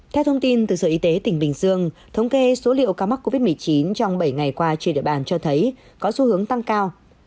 theo thông tin từ sở y tế tỉnh bình dương thống kê số liệu ca mắc covid một mươi chín trong bảy ngày qua trên địa bàn cho thấy có xu hướng tăng cao